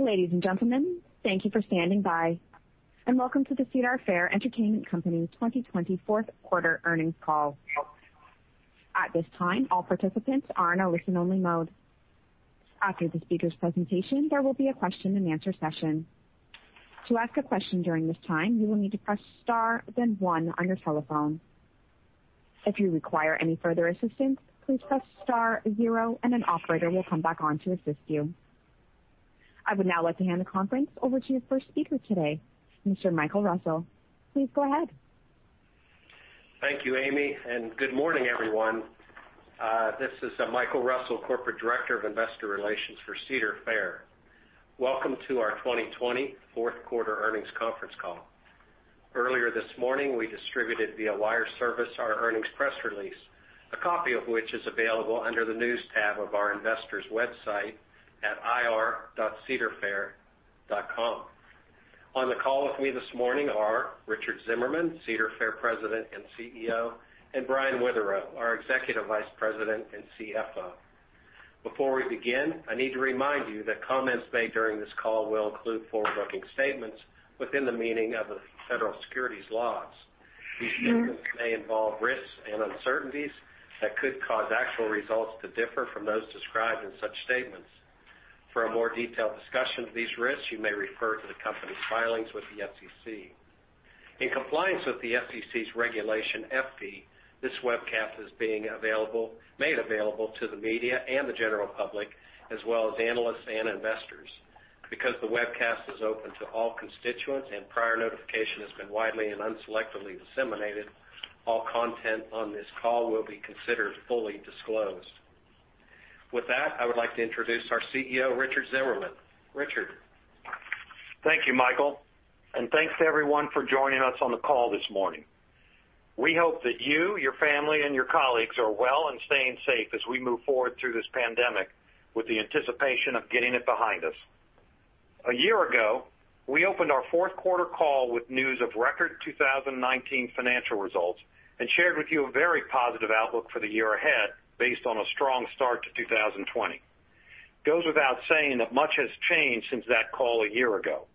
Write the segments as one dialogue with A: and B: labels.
A: Ladies and gentlemen, thank you for standing by, and welcome to the Cedar Fair Entertainment Company's 2020 fourth quarter earnings call. At this time, all participants are in a listen-only mode. After the speakers' presentation, there will be a question-and-answer session. To ask a question during this time, you will need to press star, then one on your telephone. If you require any further assistance, please press star zero, and an operator will come back on to assist you. I would now like to hand the conference over to your first speaker today, Mr. Michael Russell. Please go ahead.
B: Thank you, Amy, and good morning, everyone. This is Michael Russell, Corporate Director of Investor Relations for Cedar Fair. Welcome to our 2024 fourth quarter earnings conference call. Earlier this morning, we distributed via wire service our earnings press release, a copy of which is available under the News tab of our investors' website at ir.cedarfair.com. On the call with me this morning are Richard Zimmerman, Cedar Fair President and CEO, and Brian Witherow, our Executive Vice President and CFO. Before we begin, I need to remind you that comments made during this call will include forward-looking statements within the meaning of the federal securities laws. These statements may involve risks and uncertainties that could cause actual results to differ from those described in such statements. For a more detailed discussion of these risks, you may refer to the company's filings with the SEC. In compliance with the SEC's Regulation FD, this webcast is made available to the media and the general public, as well as analysts and investors. Because the webcast is open to all constituents and prior notification has been widely and unselectively disseminated, all content on this call will be considered fully disclosed. With that, I would like to introduce our CEO, Richard Zimmerman. Richard?
C: Thank you, Michael, and thanks to everyone for joining us on the call this morning. We hope that you, your family, and your colleagues are well and staying safe as we move forward through this pandemic with the anticipation of getting it behind us. A year ago, we opened our fourth quarter call with news of record 2019 financial results and shared with you a very positive outlook for the year ahead based on a strong start to 2020. It goes without saying that much has changed since that call a year ago.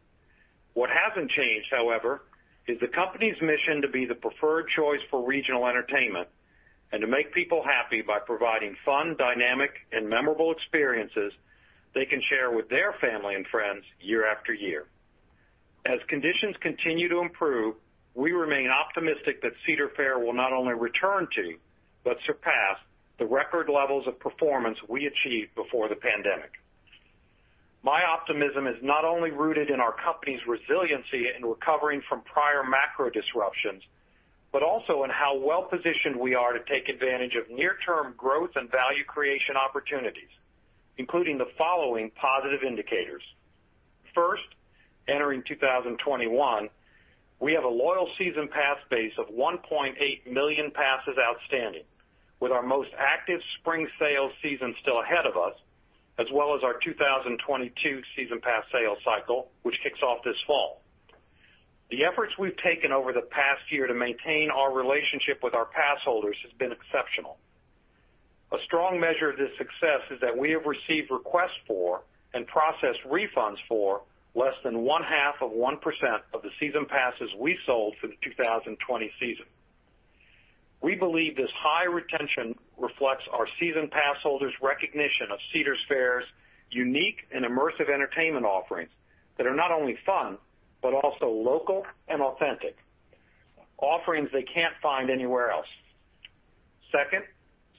C: What hasn't changed, however, is the company's mission to be the preferred choice for regional entertainment and to make people happy by providing fun, dynamic, and memorable experiences they can share with their family and friends year after year. As conditions continue to improve, we remain optimistic that Cedar Fair will not only return to, but surpass, the record levels of performance we achieved before the pandemic. My optimism is not only rooted in our company's resiliency in recovering from prior macro disruptions, but also in how well-positioned we are to take advantage of near-term growth and value creation opportunities, including the following positive indicators. First, entering 2021, we have a loyal season pass base of 1.8 million passes outstanding, with our most active spring sales season still ahead of us, as well as our 2022 season pass sales cycle, which kicks off this fall. The efforts we've taken over the past year to maintain our relationship with our passholders has been exceptional. A strong measure of this success is that we have received requests for, and processed refunds for, less than 0.5% of the season passes we sold for the 2020 season. We believe this high retention reflects our season passholders' recognition of Cedar Fair's unique and immersive entertainment offerings that are not only fun, but also local and authentic, offerings they can't find anywhere else. Second,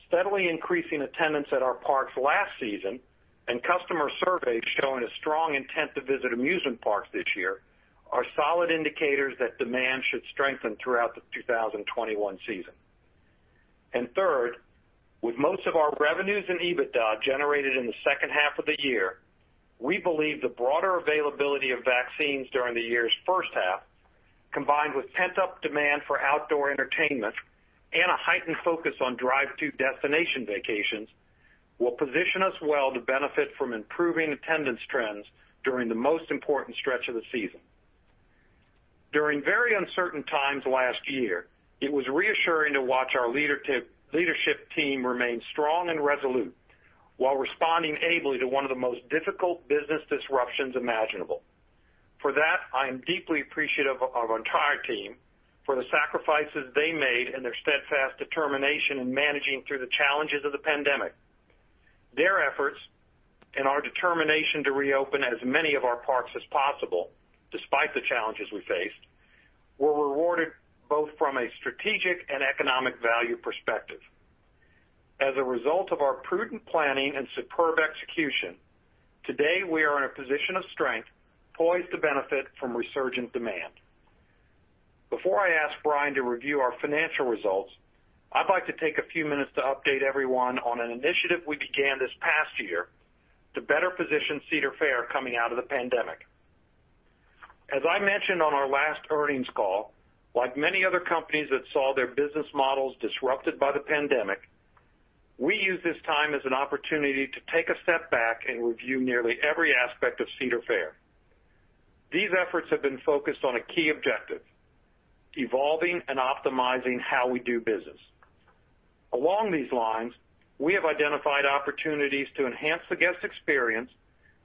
C: steadily increasing attendance at our parks last season and customer surveys showing a strong intent to visit amusement parks this year are solid indicators that demand should strengthen throughout the 2021 season. And third, with most of our revenues and EBITDA generated in the second half of the year, we believe the broader availability of vaccines during the year's first half, combined with pent-up demand for outdoor entertainment and a heightened focus on drive-to destination vacations, will position us well to benefit from improving attendance trends during the most important stretch of the season. During very uncertain times last year, it was reassuring to watch our leadership team remain strong and resolute while responding ably to one of the most difficult business disruptions imaginable. For that, I am deeply appreciative of our entire team for the sacrifices they made and their steadfast determination in managing through the challenges of the pandemic. Their efforts and our determination to reopen as many of our parks as possible, despite the challenges we faced, were rewarded both from a strategic and economic value perspective. As a result of our prudent planning and superb execution, today, we are in a position of strength, poised to benefit from resurgent demand. Before I ask Brian to review our financial results, I'd like to take a few minutes to update everyone on an initiative we began this past year to better position Cedar Fair coming out of the pandemic. As I mentioned on our last earnings call, like many other companies that saw their business models disrupted by the pandemic, we used this time as an opportunity to take a step back and review nearly every aspect of Cedar Fair.... These efforts have been focused on a key objective: evolving and optimizing how we do business. Along these lines, we have identified opportunities to enhance the guest experience,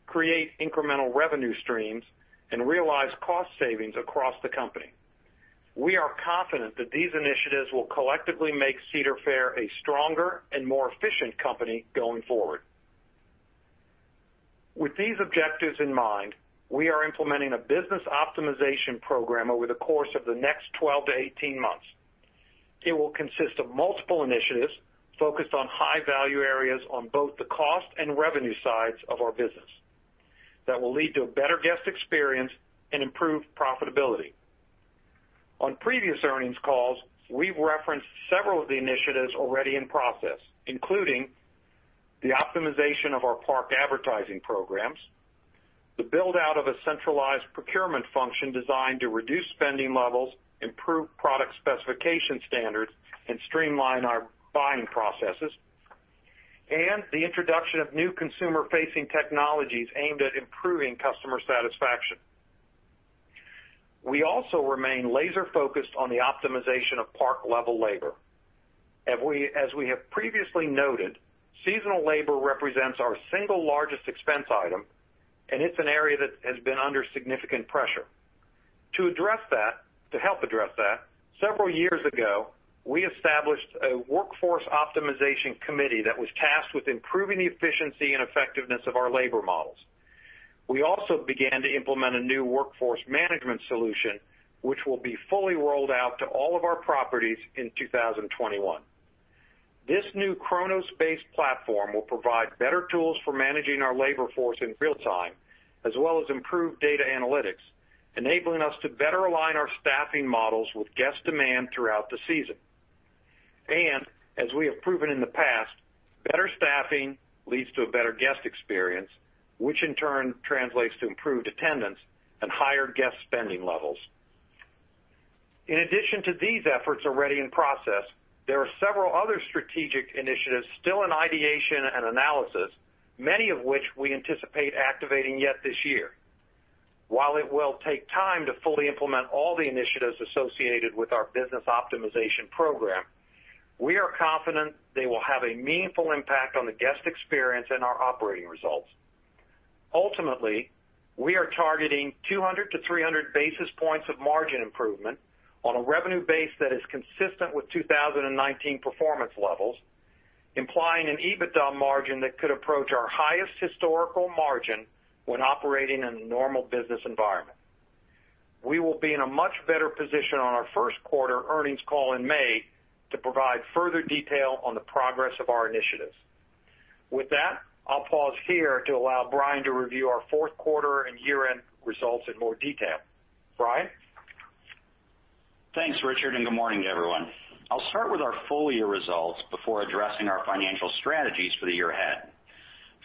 C: create incremental revenue streams, and realize cost savings across the company. We are confident that these initiatives will collectively make Cedar Fair a stronger and more efficient company going forward. With these objectives in mind, we are implementing a business optimization program over the course of the next twelve to eighteen months. It will consist of multiple initiatives focused on high-value areas on both the cost and revenue sides of our business that will lead to a better guest experience and improved profitability. On previous earnings calls, we've referenced several of the initiatives already in process, including the optimization of our park advertising programs, the build-out of a centralized procurement function designed to reduce spending levels, improve product specification standards, and streamline our buying processes, and the introduction of new consumer-facing technologies aimed at improving customer satisfaction. We also remain laser-focused on the optimization of park-level labor. As we have previously noted, seasonal labor represents our single largest expense item, and it's an area that has been under significant pressure. To help address that, several years ago, we established a Workforce Optimization Committee that was tasked with improving the efficiency and effectiveness of our labor models. We also began to implement a new workforce management solution, which will be fully rolled out to all of our properties in 2021. This new Kronos-based platform will provide better tools for managing our labor force in real time, as well as improved data analytics, enabling us to better align our staffing models with guest demand throughout the season. Better staffing leads to a better guest experience, which in turn translates to improved attendance and higher guest spending levels. In addition to these efforts already in process, there are several other strategic initiatives still in ideation and analysis, many of which we anticipate activating yet this year. While it will take time to fully implement all the initiatives associated with our business optimization program, we are confident they will have a meaningful impact on the guest experience and our operating results. Ultimately, we are targeting 200-300 basis points of margin improvement on a revenue base that is consistent with 2019 performance levels, implying an EBITDA margin that could approach our highest historical margin when operating in a normal business environment. We will be in a much better position on our first quarter earnings call in May to provide further detail on the progress of our initiatives. With that, I'll pause here to allow Brian to review our fourth quarter and year-end results in more detail. Brian?
D: Thanks, Richard, and good morning, everyone. I'll start with our full-year results before addressing our financial strategies for the year ahead.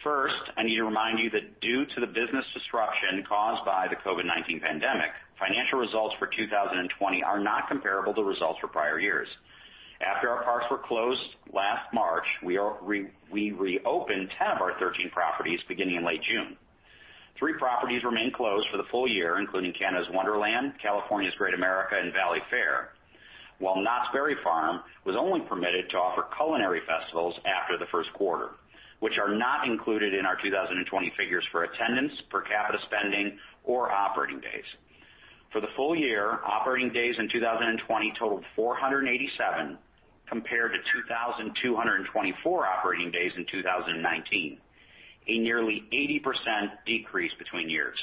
D: First, I need to remind you that due to the business disruption caused by the COVID-19 pandemic, financial results for 2020 are not comparable to results for prior years. After our parks were closed last March, we reopened 10 of our 13 properties beginning in late June. Three properties remained closed for the full year, including Canada's Wonderland, California's Great America, and Valleyfair, while Knott's Berry Farm was only permitted to offer culinary festivals after the first quarter, which are not included in our 2020 figures for attendance, per capita spending, or operating days. For the full year, operating days in 2020 totaled 487, compared to 2,224 operating days in 2019, a nearly 80% decrease between years.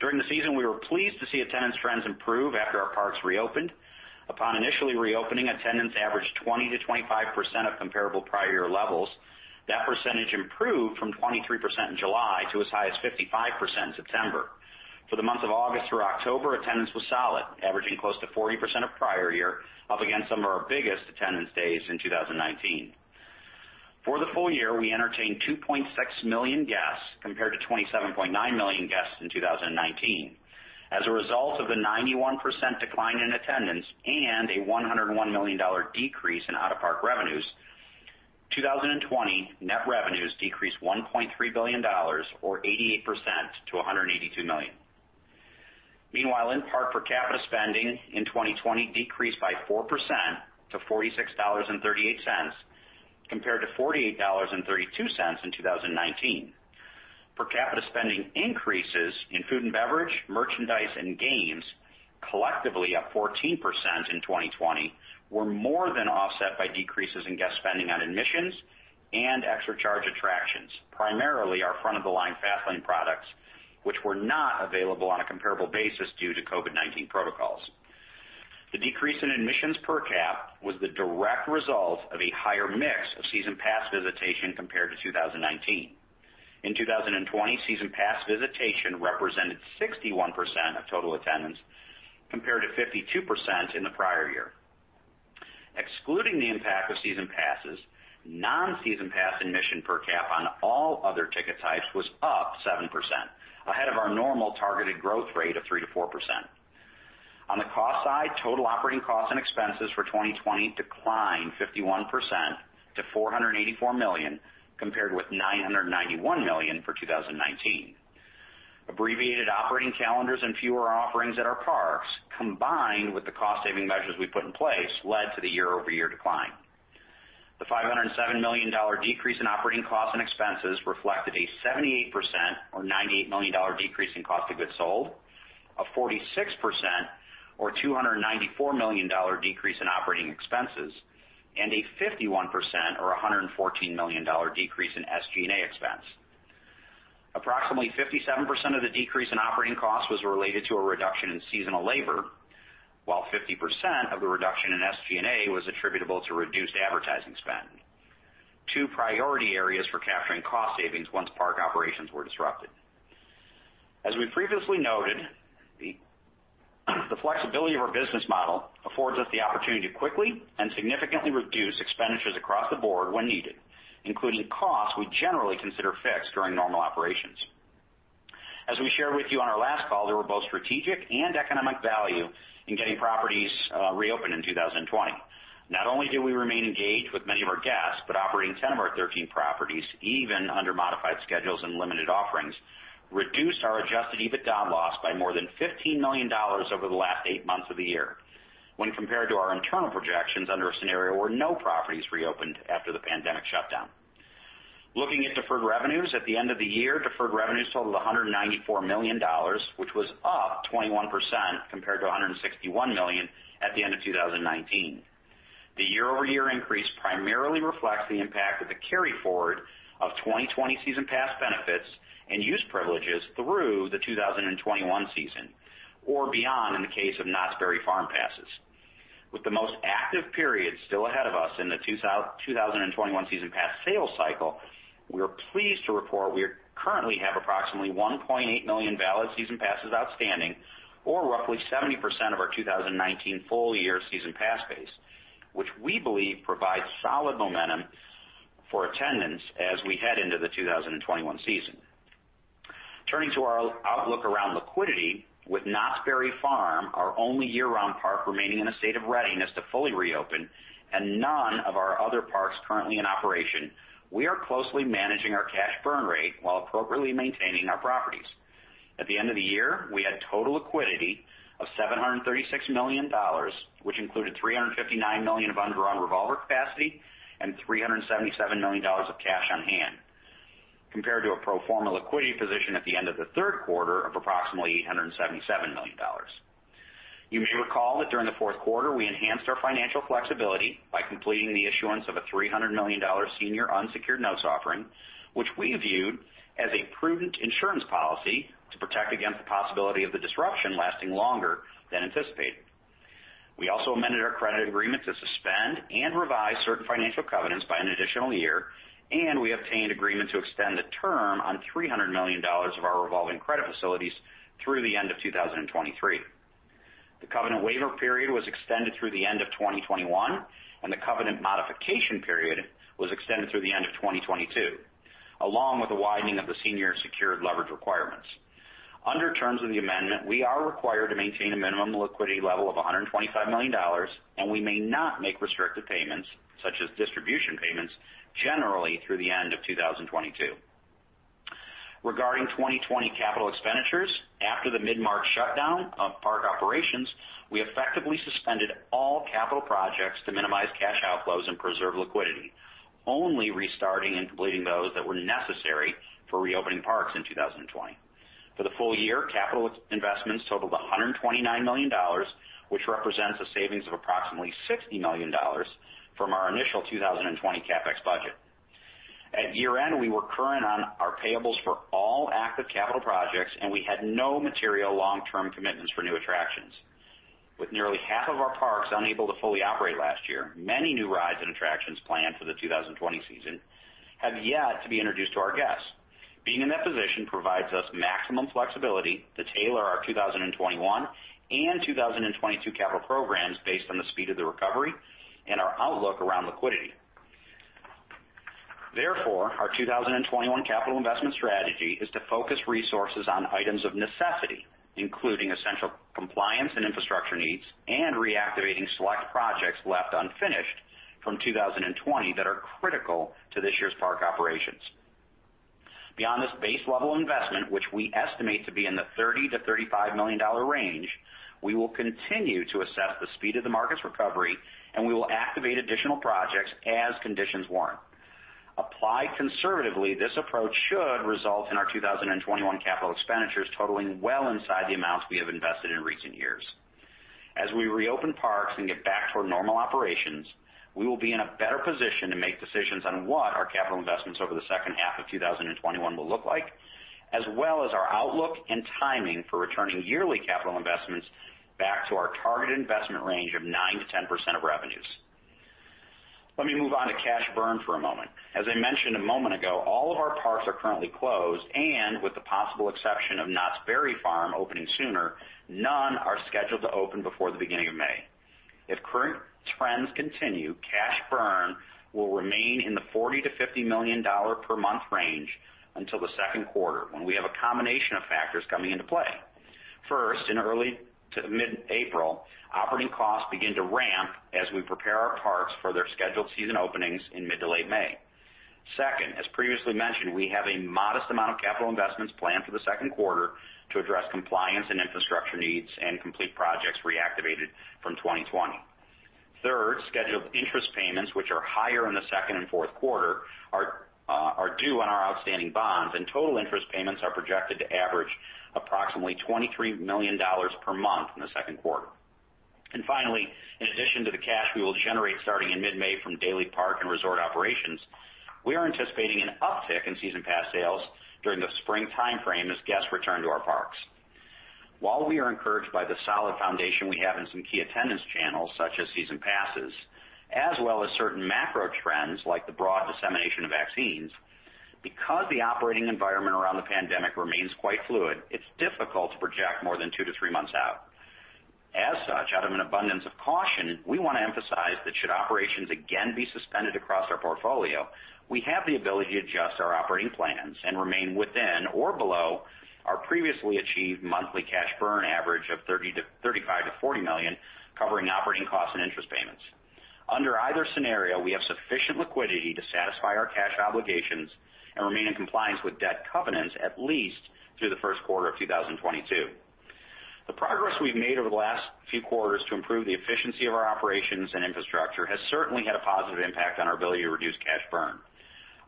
D: During the season, we were pleased to see attendance trends improve after our parks reopened. Upon initially reopening, attendance averaged 20%-25% of comparable prior year levels. That percentage improved from 23% in July to as high as 55% in September. For the month of August through October, attendance was solid, averaging close to 40% of prior year, up against some of our biggest attendance days in 2019. For the full year, we entertained 2.6 million guests, compared to 27.9 million guests in 2019. As a result of the 91% decline in attendance and a $101 million decrease in out-of-park revenues, 2020 net revenues decreased $1.3 billion, or 88% to $182 million. Meanwhile, in-park per capita spending in 2020 decreased by 4% to $46.38, compared to $48.32 in 2019. Per capita spending increases in food and beverage, merchandise, and games, collectively up 14% in 2020, were more than offset by decreases in guest spending on admissions and extra charge attractions, primarily our front-of-the-line Fast Lane products, which were not available on a comparable basis due to COVID-19 protocols. The decrease in admissions per cap was the direct result of a higher mix of season pass visitation compared to 2019. In 2020, season pass visitation represented 61% of total attendance, compared to 52% in the prior year. Excluding the impact of season passes, non-season pass admission per cap on all other ticket types was up 7%, ahead of our normal targeted growth rate of 3%-4%. On the cost side, total operating costs and expenses for 2020 declined 51% to $484 million, compared with $991 million for 2019. Abbreviated operating calendars and fewer offerings at our parks, combined with the cost-saving measures we put in place, led to the year-over-year decline. The $507 million decrease in operating costs and expenses reflected a 78%, or $98 million, decrease in cost of goods sold, a 46%, or $294 million, decrease in operating expenses, and a 51%, or $114 million, decrease in SG&A expense. Approximately 57% of the decrease in operating costs was related to a reduction in seasonal labor, while 50% of the reduction in SG&A was attributable to reduced advertising spend, two priority areas for capturing cost savings once park operations were disrupted. As we previously noted, the flexibility of our business model affords us the opportunity to quickly and significantly reduce expenditures across the board when needed, including costs we generally consider fixed during normal operations. As we shared with you on our last call, there were both strategic and economic value in getting properties reopened in 2020. Not only do we remain engaged with many of our guests, but operating 10 of our 13 properties, even under modified schedules and limited offerings, reduced our Adjusted EBITDA loss by more than $15 million over the last eight months of the year when compared to our internal projections under a scenario where no properties reopened after the pandemic shutdown. Looking at deferred revenues, at the end of the year, deferred revenues totaled $194 million, which was up 21% compared to $161 million at the end of 2019. The year-over-year increase primarily reflects the impact of the carry forward of 2020 season pass benefits and use privileges through the 2021 season, or beyond in the case of Knott's Berry Farm passes. With the most active period still ahead of us in the 2021 season pass sales cycle, we are pleased to report we currently have approximately 1.8 million valid season passes outstanding, or roughly 70% of our 2019 full-year season pass base, which we believe provides solid momentum for attendance as we head into the 2021 season. Turning to our outlook around liquidity, with Knott's Berry Farm, our only year-round park remaining in a state of readiness to fully reopen and none of our other parks currently in operation, we are closely managing our cash burn rate while appropriately maintaining our properties. At the end of the year, we had total liquidity of $736 million, which included $359 million of undrawn revolver capacity and $377 million of cash on hand, compared to a pro forma liquidity position at the end of the third quarter of approximately $877 million. You may recall that during the fourth quarter, we enhanced our financial flexibility by completing the issuance of a $300 million senior unsecured notes offering, which we viewed as a prudent insurance policy to protect against the possibility of the disruption lasting longer than anticipated. We also amended our credit agreement to suspend and revise certain financial covenants by an additional year, and we obtained agreement to extend the term on $300 million of our revolving credit facilities through the end of 2023. The covenant waiver period was extended through the end of 2021, and the covenant modification period was extended through the end of 2022, along with the widening of the senior secured leverage requirements. Under terms of the amendment, we are required to maintain a minimum liquidity level of $125 million, and we may not make restrictive payments, such as distribution payments, generally through the end of 2022. Regarding 2020 capital expenditures, after the mid-March shutdown of park operations, we effectively suspended all capital projects to minimize cash outflows and preserve liquidity, only restarting and completing those that were necessary for reopening parks in 2020. For the full year, capital investments totaled $129 million, which represents a savings of approximately $60 million from our initial 2020 CapEx budget. At year-end, we were current on our payables for all active capital projects, and we had no material long-term commitments for new attractions. With nearly half of our parks unable to fully operate last year, many new rides and attractions planned for the 2020 season have yet to be introduced to our guests. Being in that position provides us maximum flexibility to tailor our 2021 and 2022 capital programs based on the speed of the recovery and our outlook around liquidity. Therefore, our 2021 capital investment strategy is to focus resources on items of necessity, including essential compliance and infrastructure needs, and reactivating select projects left unfinished from 2020 that are critical to this year's park operations. Beyond this base-level investment, which we estimate to be in the $30-$35 million range, we will continue to assess the speed of the market's recovery, and we will activate additional projects as conditions warrant. Applied conservatively, this approach should result in our 2021 capital expenditures totaling well inside the amounts we have invested in recent years. As we reopen parks and get back toward normal operations, we will be in a better position to make decisions on what our capital investments over the second half of 2021 will look like, as well as our outlook and timing for returning yearly capital investments back to our targeted investment range of 9%-10% of revenues. Let me move on to cash burn for a moment. As I mentioned a moment ago, all of our parks are currently closed, and with the possible exception of Knott's Berry Farm opening sooner, none are scheduled to open before the beginning of May. If current trends continue, cash burn will remain in the $40 million-$50 million per month range until the second quarter, when we have a combination of factors coming into play. First, in early to mid-April, operating costs begin to ramp as we prepare our parks for their scheduled season openings in mid to late May. Second, as previously mentioned, we have a modest amount of capital investments planned for the second quarter to address compliance and infrastructure needs and complete projects reactivated from 2020. Third, scheduled interest payments, which are higher in the second and fourth quarter, are due on our outstanding bonds, and total interest payments are projected to average approximately $23 million per month in the second quarter. Finally, in addition to the cash we will generate starting in mid-May from daily park and resort operations, we are anticipating an uptick in season pass sales during the spring timeframe as guests return to our parks. While we are encouraged by the solid foundation we have in some key attendance channels, such as season passes, as well as certain macro trends like the broad dissemination of vaccines, because the operating environment around the pandemic remains quite fluid, it's difficult to project more than two to three months out. As such, out of an abundance of caution, we want to emphasize that should operations again be suspended across our portfolio, we have the ability to adjust our operating plans and remain within or below our previously achieved monthly cash burn average of $35-$40 million, covering operating costs and interest payments. Under either scenario, we have sufficient liquidity to satisfy our cash obligations and remain in compliance with debt covenants at least through the first quarter of 2022. The progress we've made over the last few quarters to improve the efficiency of our operations and infrastructure has certainly had a positive impact on our ability to reduce cash burn.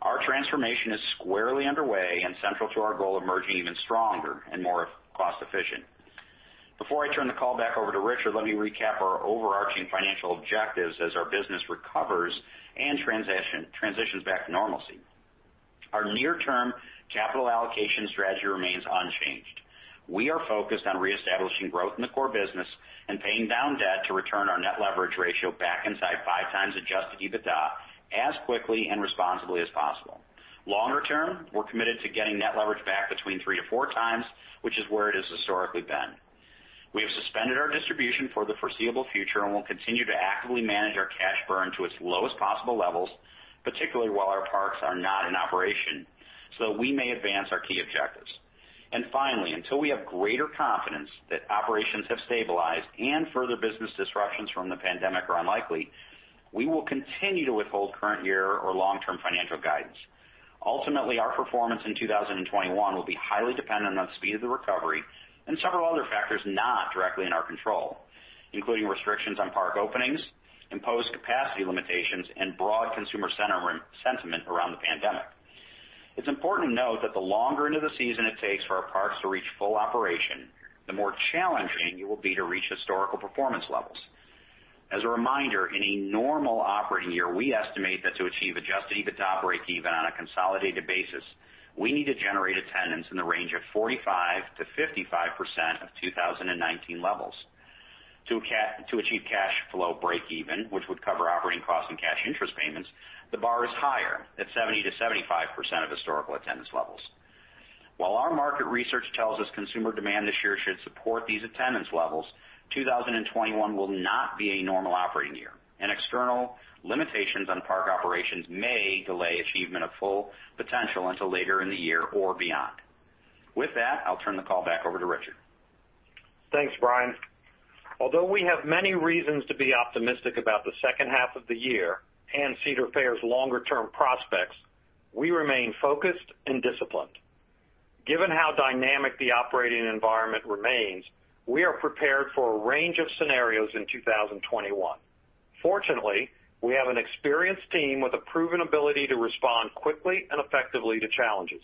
D: Our transformation is squarely underway and central to our goal of merging even stronger and more cost efficient. Before I turn the call back over to Richard, let me recap our overarching financial objectives as our business recovers and transitions back to normalcy. Our near-term capital allocation strategy remains unchanged. We are focused on reestablishing growth in the core business and paying down debt to return our net leverage ratio back inside five times Adjusted EBITDA as quickly and responsibly as possible. Longer term, we're committed to getting net leverage back between three to four times, which is where it has historically been. We have suspended our distribution for the foreseeable future, and we'll continue to actively manage our cash burn to its lowest possible levels, particularly while our parks are not in operation, so we may advance our key objectives. Finally, until we have greater confidence that operations have stabilized and further business disruptions from the pandemic are unlikely, we will continue to withhold current year or long-term financial guidance. Ultimately, our performance in 2021 will be highly dependent on the speed of the recovery and several other factors not directly in our control, including restrictions on park openings, imposed capacity limitations, and broad consumer sentiment around the pandemic. It's important to note that the longer into the season it takes for our parks to reach full operation, the more challenging it will be to reach historical performance levels. As a reminder, in a normal operating year, we estimate that to achieve Adjusted EBITDA breakeven on a consolidated basis, we need to generate attendance in the range of 45%-55% of 2019 levels. To achieve cash flow breakeven, which would cover operating costs and cash interest payments, the bar is higher at 70%-75% of historical attendance levels. While our market research tells us consumer demand this year should support these attendance levels, 2021 will not be a normal operating year, and external limitations on park operations may delay achievement of full potential until later in the year or beyond. With that, I'll turn the call back over to Richard.
C: Thanks, Brian. Although we have many reasons to be optimistic about the second half of the year and Cedar Fair's longer-term prospects, we remain focused and disciplined. Given how dynamic the operating environment remains, we are prepared for a range of scenarios in 2021. Fortunately, we have an experienced team with a proven ability to respond quickly and effectively to challenges.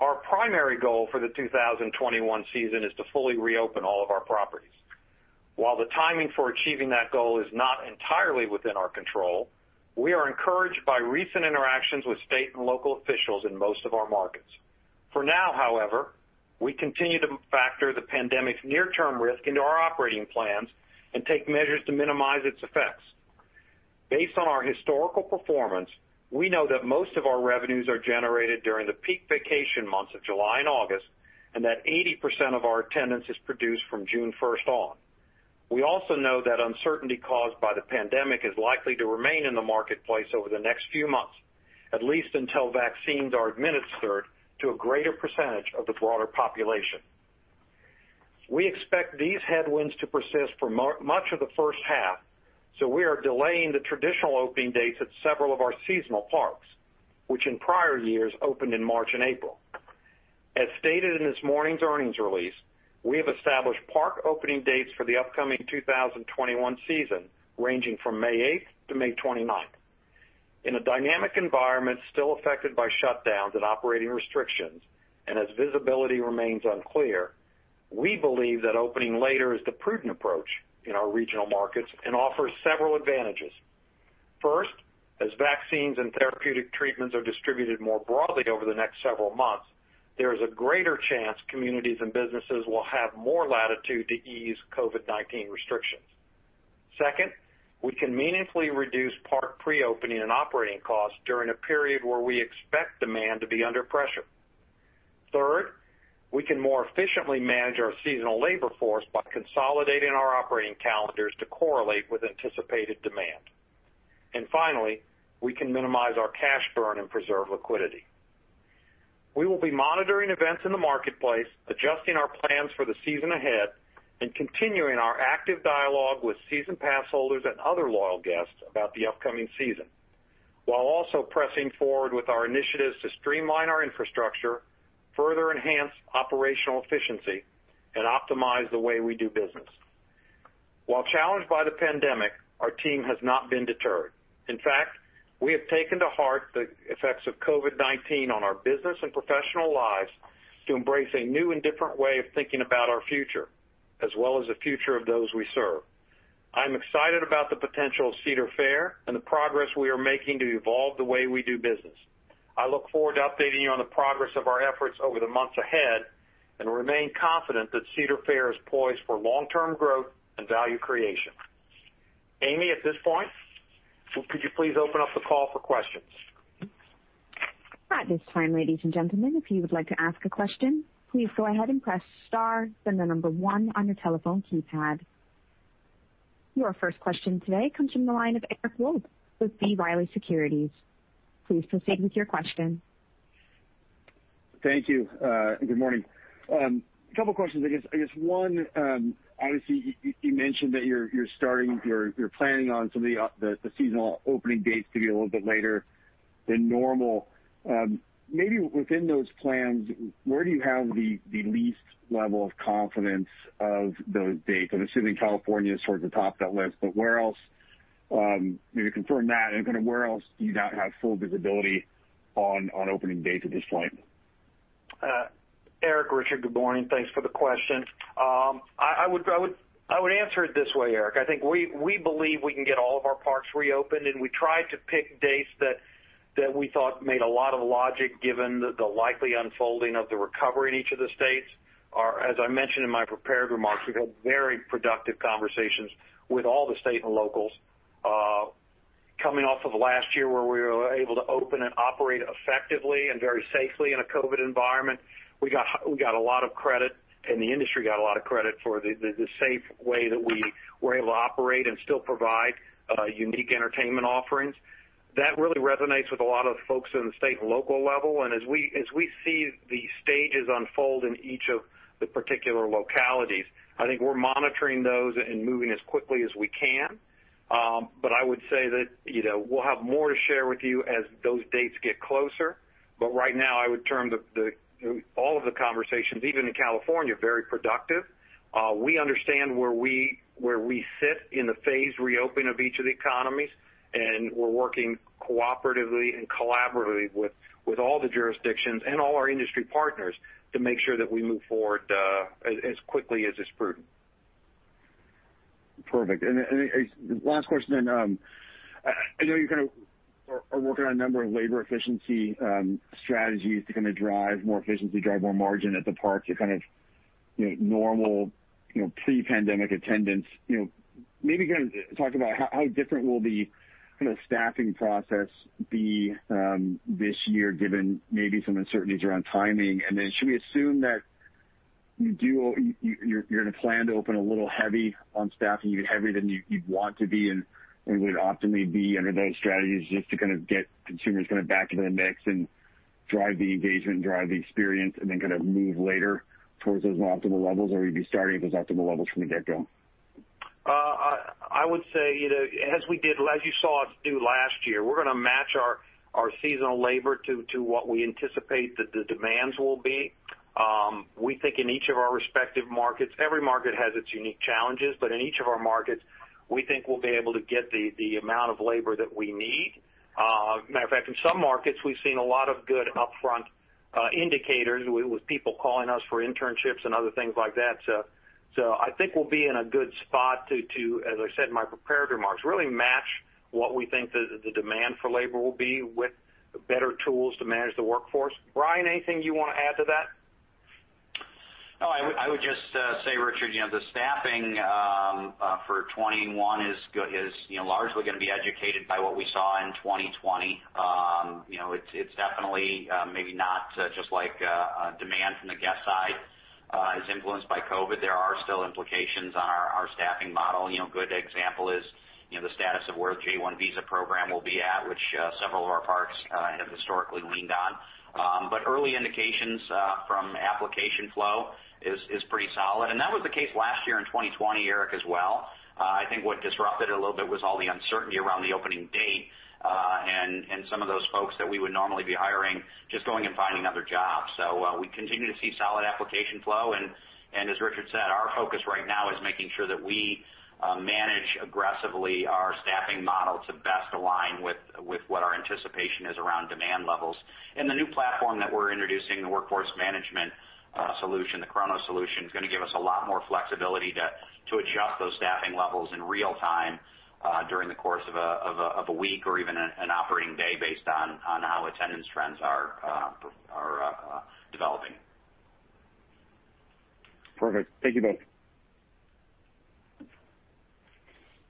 C: Our primary goal for the 2021 season is to fully reopen all of our properties. While the timing for achieving that goal is not entirely within our control, we are encouraged by recent interactions with state and local officials in most of our markets. For now, however, we continue to factor the pandemic's near-term risk into our operating plans and take measures to minimize its effects. Based on our historical performance, we know that most of our revenues are generated during the peak vacation months of July and August, and that 80% of our attendance is produced from June first on. We also know that uncertainty caused by the pandemic is likely to remain in the marketplace over the next few months, at least until vaccines are administered to a greater percentage of the broader population. We expect these headwinds to persist for much of the first half, so we are delaying the traditional opening dates at several of our seasonal parks, which in prior years opened in March and April. As stated in this morning's earnings release, we have established park opening dates for the upcoming 2021 season, ranging from May eighth to May twenty-ninth. In a dynamic environment still affected by shutdowns and operating restrictions, and as visibility remains unclear, we believe that opening later is the prudent approach in our regional markets and offers several advantages. First, as vaccines and therapeutic treatments are distributed more broadly over the next several months, there is a greater chance communities and businesses will have more latitude to ease COVID-19 restrictions. Second, we can meaningfully reduce park pre-opening and operating costs during a period where we expect demand to be under pressure. Third, we can more efficiently manage our seasonal labor force by consolidating our operating calendars to correlate with anticipated demand. And finally, we can minimize our cash burn and preserve liquidity. We will be monitoring events in the marketplace, adjusting our plans for the season ahead, and continuing our active dialogue with season pass holders and other loyal guests about the upcoming season, while also pressing forward with our initiatives to streamline our infrastructure, further enhance operational efficiency, and optimize the way we do business. While challenged by the pandemic, our team has not been deterred. In fact, we have taken to heart the effects of COVID-19 on our business and professional lives to embrace a new and different way of thinking about our future, as well as the future of those we serve. I'm excited about the potential of Cedar Fair and the progress we are making to evolve the way we do business. I look forward to updating you on the progress of our efforts over the months ahead, and remain confident that Cedar Fair is poised for long-term growth and value creation. Amy, at this point, could you please open up the call for questions?
A: At this time, ladies and gentlemen, if you would like to ask a question, please go ahead and press star, then the number one on your telephone keypad. Your first question today comes from the line of Eric Wold with B. Riley Securities. Please proceed with your question.
E: Thank you, and good morning. A couple questions. I guess one, obviously, you mentioned that you're planning on some of the seasonal opening dates to be a little bit later than normal. Maybe within those plans, where do you have the least level of confidence of those dates? I'm assuming California is towards the top of that list, but where else, maybe confirm that, and kind of where else do you not have full visibility on opening dates at this point?
C: Eric, Richard, good morning. Thanks for the question. I would answer it this way, Eric. I think we believe we can get all of our parks reopened, and we tried to pick dates that we thought made a lot of logic, given the likely unfolding of the recovery in each of the states. As I mentioned in my prepared remarks, we've had very productive conversations with all the state and locals. Coming off of last year, where we were able to open and operate effectively and very safely in a COVID environment, we got a lot of credit, and the industry got a lot of credit for the safe way that we were able to operate and still provide unique entertainment offerings. That really resonates with a lot of folks in the state and local level, and as we see the stages unfold in each of the particular localities, I think we're monitoring those and moving as quickly as we can. But I would say that, you know, we'll have more to share with you as those dates get closer. But right now, I would term the, you know, all of the conversations, even in California, very productive. We understand where we sit in the phased reopening of each of the economies, and we're working cooperatively and collaboratively with all the jurisdictions and all our industry partners to make sure that we move forward, as quickly as is prudent.
E: Perfect. And then last question then, I know you're kind of working on a number of labor efficiency strategies to kind of drive more efficiency, drive more margin at the park to kind of, you know, normal, you know, pre-pandemic attendance. You know, maybe kind of talk about how different will the kind of staffing process be this year, given maybe some uncertainties around timing? Should we assume that you you're gonna plan to open a little heavy on staffing, even heavier than you'd want to be and would optimally be under those strategies, just to kind of get consumers kind of back into the mix and drive the engagement, drive the experience, and then kind of move later towards those more optimal levels? Or you'd be starting at those optimal levels from the get-go?
C: I would say, you know, as we did—as you saw us do last year, we're gonna match our seasonal labor to what we anticipate that the demands will be. We think in each of our respective markets, every market has its unique challenges, but in each of our markets, we think we'll be able to get the amount of labor that we need. Matter of fact, in some markets, we've seen a lot of good upfront indicators with people calling us for internships and other things like that. So I think we'll be in a good spot to, as I said in my prepared remarks, really match what we think the demand for labor will be with better tools to manage the workforce. Brian, anything you want to add to that?
D: No, I would just say, Richard, you know, the staffing for 2021 is good, you know, largely gonna be educated by what we saw in 2020. You know, it's definitely maybe not just like demand from the guest side is influenced by COVID. There are still implications on our staffing model. You know, a good example is, you know, the status of where the J-1 visa program will be at, which several of our parks have historically leaned on. But early indications from application flow is pretty solid, and that was the case last year in 2020, Eric, as well. I think what disrupted it a little bit was all the uncertainty around the opening date, and some of those folks that we would normally be hiring, just going and finding other jobs. So, we continue to see solid application flow, and as Richard said, our focus right now is making sure that we manage aggressively our staffing model to best align with what our anticipation is around demand levels. And the new platform that we're introducing, the workforce management solution, the Kronos solution, is gonna give us a lot more flexibility to adjust those staffing levels in real time, during the course of a week or even an operating day based on how attendance trends are developing.
E: Perfect. Thank you, both. ...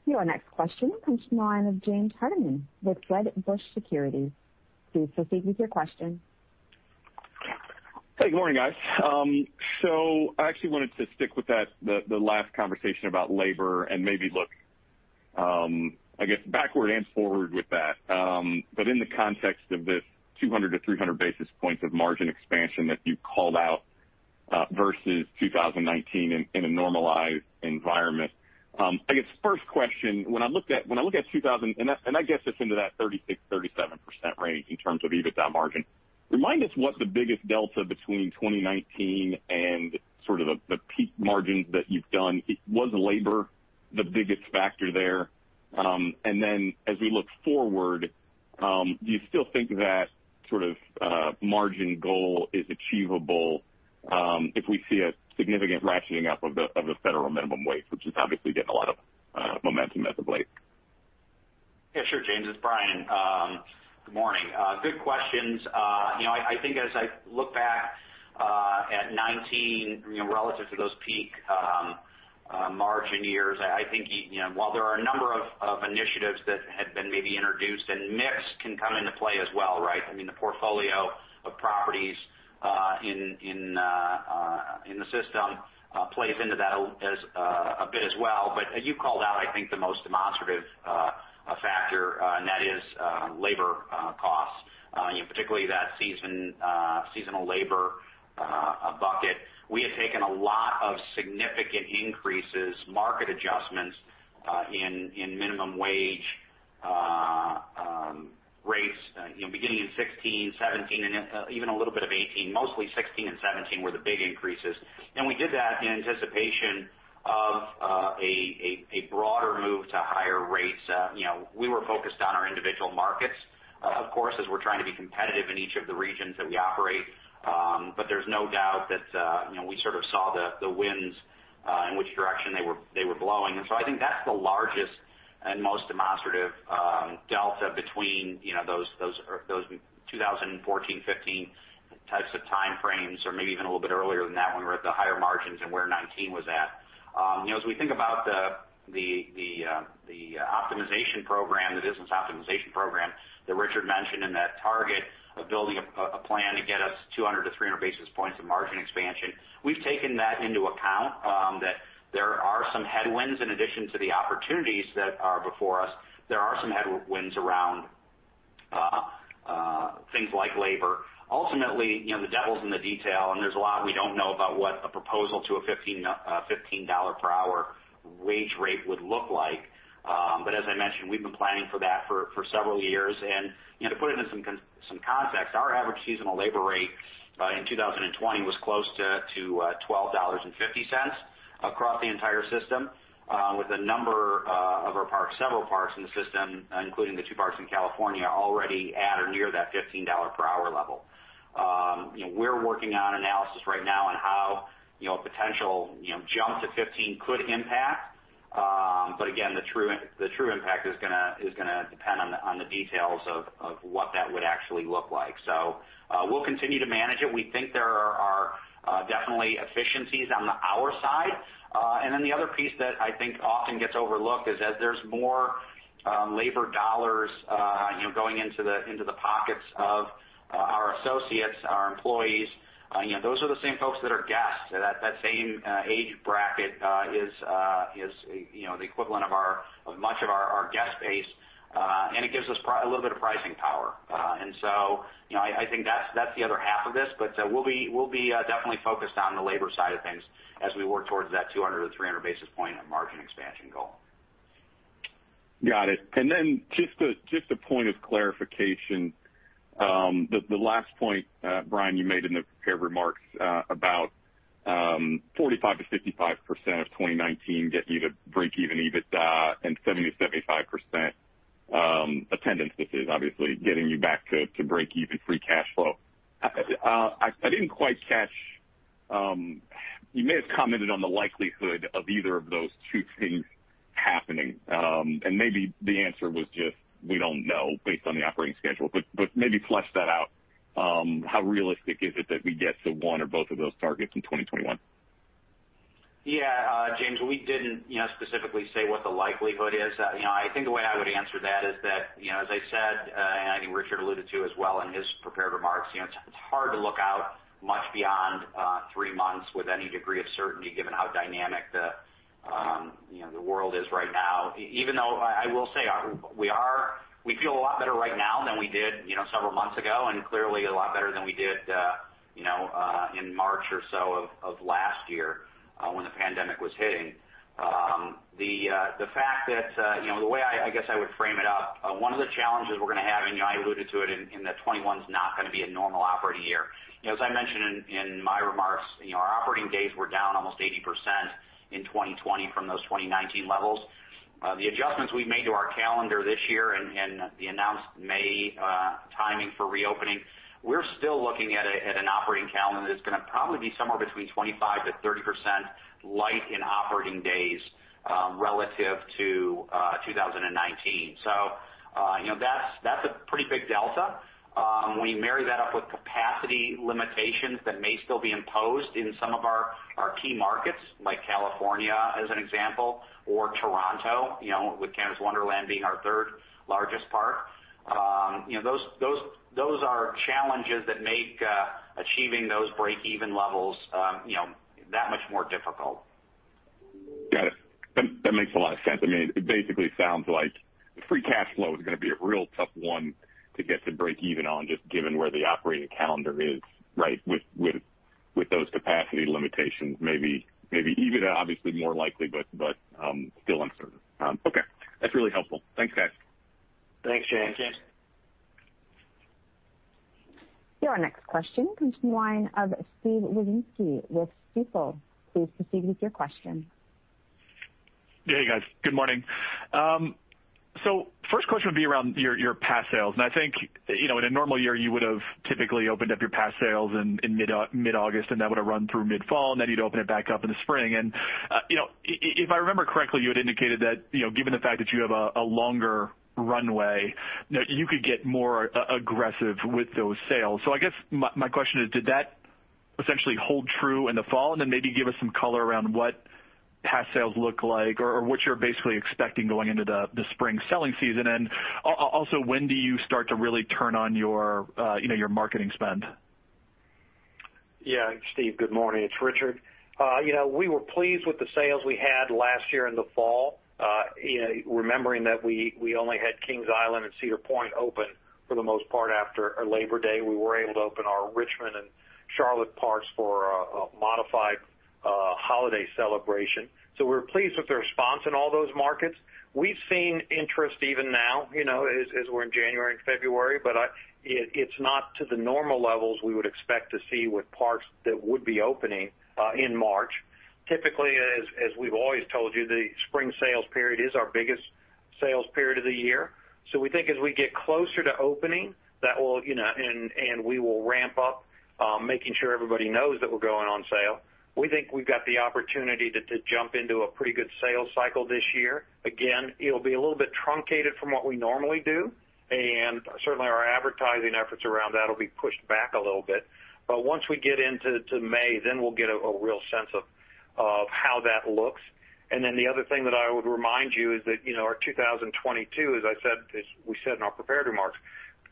A: Your next question comes from the line of James Hardiman with Wedbush Securities. Please proceed with your question.
F: Hey, good morning, guys. So I actually wanted to stick with that, the last conversation about labor and maybe look, I guess, backward and forward with that. But in the context of this 200-300 basis points of margin expansion that you called out, versus 2019 in a normalized environment. I guess, first question, when I look at 2019 and I guess it's into that 36%-37% range in terms of EBITDA margin. Remind us what the biggest delta between 2019 and sort of the peak margins that you've done. Was labor the biggest factor there? And then as we look forward, do you still think that sort of margin goal is achievable, if we see a significant ratcheting up of the federal minimum wage, which is obviously getting a lot of momentum as of late?
D: Yeah, sure, James, it's Brian. Good morning. Good questions. You know, I think as I look back at nineteen, you know, relative to those peak margin years, I think, you know, while there are a number of initiatives that had been maybe introduced and mix can come into play as well, right? I mean, the portfolio of properties in the system plays into that as a bit as well. But you called out, I think, the most demonstrative factor, and that is labor costs, you know, particularly that seasonal labor bucket. We had taken a lot of significant increases, market adjustments, in minimum wage rates, you know, beginning in 2016, 2017, and even a little bit of 2018, mostly 2016 and 2017 were the big increases. We did that in anticipation of a broader move to higher rates. You know, we were focused on our individual markets, of course, as we're trying to be competitive in each of the regions that we operate. But there's no doubt that, you know, we sort of saw the winds in which direction they were blowing. And so I think that's the largest and most demonstrative delta between, you know, those 2014, 2015 types of time frames, or maybe even a little bit earlier than that, when we're at the higher margins and where 2019 was at. You know, as we think about the optimization program, the business optimization program that Richard mentioned, and that target of building a plan to get us 200-300 basis points of margin expansion, we've taken that into account, that there are some headwinds in addition to the opportunities that are before us. There are some headwinds around things like labor. Ultimately, you know, the devil's in the detail, and there's a lot we don't know about what a proposal to a $15 per hour wage rate would look like. But as I mentioned, we've been planning for that for several years. And, you know, to put it in some context, our average seasonal labor rate in 2020 was close to $12.50 across the entire system, with a number of our parks, several parks in the system, including the two parks in California, already at or near that $15 per hour level. You know, we're working on analysis right now on how, you know, a potential, you know, jump to 15 could impact. But again, the true impact is gonna depend on the details of what that would actually look like. So, we'll continue to manage it. We think there are definitely efficiencies on the hour side. And then the other piece that I think often gets overlooked is as there's more labor dollars, you know, going into the pockets of our associates, our employees, you know, those are the same folks that are guests. That same age bracket is, you know, the equivalent of much of our guest base, and it gives us a little bit of pricing power. And so, you know, I think that's the other half of this, but we'll be definitely focused on the labor side of things as we work towards that 200-300 basis points margin expansion goal.
F: Got it. And then just a point of clarification. The last point, Brian, you made in the prepared remarks, about 45%-55% of 2019 get you to break even EBITDA and 70%-75% attendance, which is obviously getting you back to break even free cash flow. I didn't quite catch, you may have commented on the likelihood of either of those two things happening. And maybe the answer was just, we don't know, based on the operating schedule, but maybe flesh that out. How realistic is it that we get to one or both of those targets in 2021?
D: Yeah, James, we didn't, you know, specifically say what the likelihood is. You know, I think the way I would answer that is that, you know, as I said, and I think Richard alluded to as well in his prepared remarks, you know, it's hard to look out much beyond three months with any degree of certainty, given how dynamic the, you know, the world is right now. Even though I will say, we feel a lot better right now than we did, you know, several months ago, and clearly a lot better than we did, you know, in March or so of last year, when the pandemic was hitting. The fact that, you know, the way I guess I would frame it up, one of the challenges we're gonna have, and, you know, I alluded to it in that 2021 is not gonna be a normal operating year. You know, as I mentioned in my remarks, you know, our operating days were down almost 80% in 2020 from those 2019 levels. The adjustments we've made to our calendar this year and the announced May timing for reopening, we're still looking at an operating calendar that's gonna probably be somewhere between 25%-30% light in operating days, relative to 2019. So, you know, that's a pretty big delta. We marry that up with capacity limitations that may still be imposed in some of our key markets, like California, as an example, or Toronto, you know, with Canada's Wonderland being our third largest park. You know, those are challenges that make achieving those break-even levels, you know, that much more difficult....
F: Got it. That makes a lot of sense. I mean, it basically sounds like the free cash flow is gonna be a real tough one to get to break even on, just given where the operating calendar is, right? With those capacity limitations, maybe even obviously more likely, but still uncertain. Okay, that's really helpful. Thanks, guys.
C: Thanks, Shane.
A: Your next question comes from the line of Steve Wieczynski with Stifel. Please proceed with your question.
G: Yeah, hey, guys, good morning. So first question would be around your, your pass sales. And I think, you know, in a normal year, you would've typically opened up your pass sales in mid-August, and that would've run through mid-fall, and then you'd open it back up in the spring. And, you know, if I remember correctly, you had indicated that, you know, given the fact that you have a longer runway, you know, you could get more aggressive with those sales. So I guess my question is, did that essentially hold true in the fall? And then maybe give us some color around what pass sales look like or what you're basically expecting going into the spring selling season. And also, when do you start to really turn on your, you know, your marketing spend?
C: Yeah, Steve, good morning, it's Richard. You know, we were pleased with the sales we had last year in the fall. You know, remembering that we only had Kings Island and Cedar Point open for the most part after Labor Day. We were able to open our Richmond and Charlotte parks for a modified holiday celebration. So we're pleased with the response in all those markets. We've seen interest even now, you know, as we're in January and February, but it, it's not to the normal levels we would expect to see with parks that would be opening in March. Typically, as we've always told you, the spring sales period is our biggest sales period of the year. So we think as we get closer to opening, that will, you know, and we will ramp up making sure everybody knows that we're going on sale. We think we've got the opportunity to jump into a pretty good sales cycle this year. Again, it'll be a little bit truncated from what we normally do, and certainly our advertising efforts around that will be pushed back a little bit. But once we get into May, then we'll get a real sense of how that looks. And then the other thing that I would remind you is that, you know, our two thousand and twenty-two, as I said, as we said in our prepared remarks,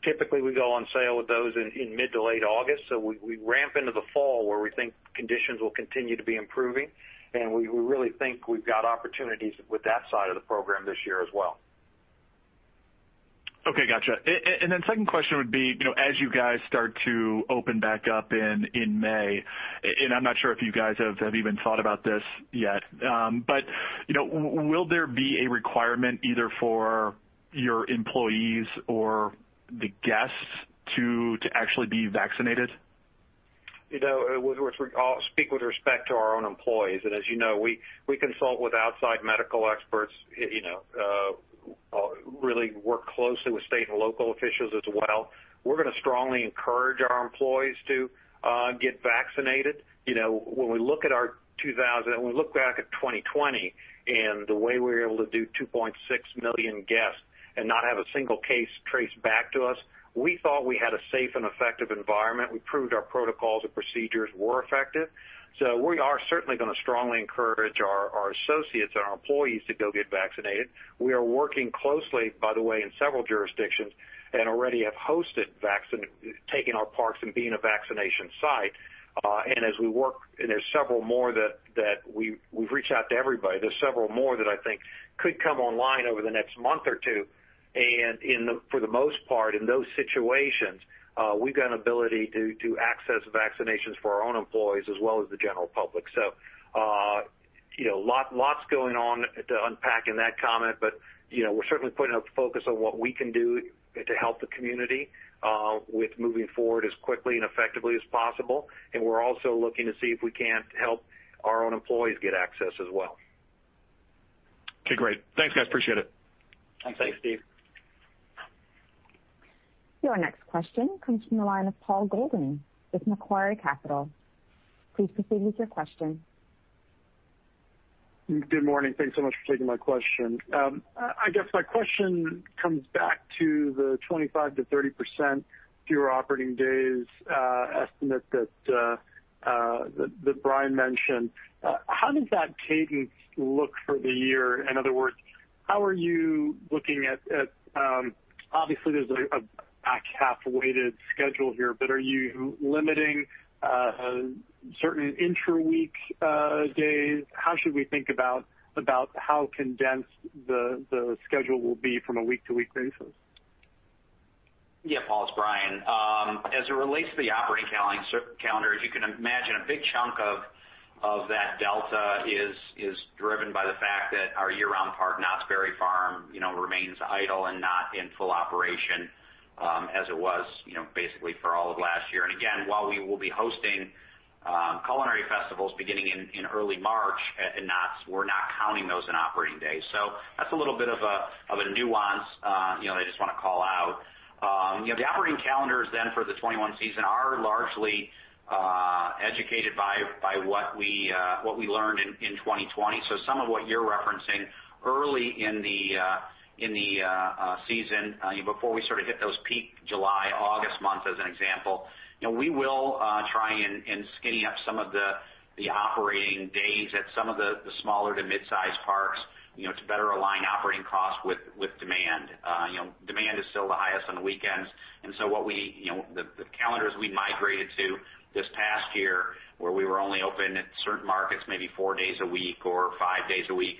C: typically we go on sale with those in mid to late August. So we ramp into the fall, where we think conditions will continue to be improving, and we really think we've got opportunities with that side of the program this year as well.
G: Okay, gotcha. And then second question would be, you know, as you guys start to open back up in May, and I'm not sure if you guys have even thought about this yet. But, you know, will there be a requirement either for your employees or the guests to actually be vaccinated?
C: You know, with respect to our own employees, and as you know, we consult with outside medical experts, you know, really work closely with state and local officials as well. We're gonna strongly encourage our employees to get vaccinated. You know, when we look back at 2020 and the way we were able to do 2.6 million guests and not have a single case traced back to us, we thought we had a safe and effective environment. We proved our protocols and procedures were effective. So we are certainly gonna strongly encourage our associates and our employees to go get vaccinated. We are working closely, by the way, in several jurisdictions, and already have hosted vaccine-taking in our parks and being a vaccination site. And as we work, and there's several more that we've reached out to everybody. There's several more that I think could come online over the next month or two, and for the most part, in those situations, we've got an ability to access vaccinations for our own employees as well as the general public. You know, lots going on to unpack in that comment. But you know, we're certainly putting a focus on what we can do to help the community with moving forward as quickly and effectively as possible, and we're also looking to see if we can't help our own employees get access as well.
G: Okay, great. Thanks, guys, appreciate it.
C: Thanks, Steve.
A: Your next question comes from the line of Paul Golding with Macquarie Capital. Please proceed with your question.
H: Good morning. Thanks so much for taking my question. I guess my question comes back to the 25%-30% fewer operating days estimate that Brian mentioned. How does that cadence look for the year? In other words, how are you looking at, obviously, there's a back half-weighted schedule here, but are you limiting certain intra-week days? How should we think about how condensed the schedule will be from a week-to-week basis?
D: Yeah, Paul, it's Brian. As it relates to the operating calendar, as you can imagine, a big chunk of that delta is driven by the fact that our year-round park, Knott's Berry Farm, you know, remains idle and not in full operation, as it was, you know, basically for all of last year. And again, while we will be hosting culinary festivals beginning in early March at the Knott's, we're not counting those in operating days. So that's a little bit of a nuance, you know, I just wanna call out. You know, the operating calendars then for the 2021 season are largely educated by what we learned in 2020. So some of what you're referencing early in the season before we sort of hit those peak July, August months as an example, you know, we will try and skinny up some of the operating days at some of the smaller to mid-sized parks, you know, to better align operating costs with demand. You know, demand is still the highest on the weekends, and so what we, you know, the calendars we migrated to this- ...last year, where we were only open at certain markets maybe four days a week or five days a week.